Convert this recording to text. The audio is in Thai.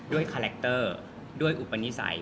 คาแรคเตอร์ด้วยอุปนิสัย